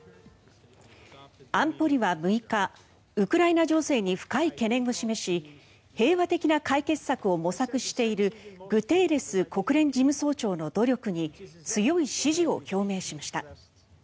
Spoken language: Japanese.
安保理は６日ウクライナ情勢に深い懸念を示し平和的な解決策を模索しているグテーレス国連事務総長の努力に強い支持を表明しました。